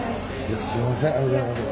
すいません。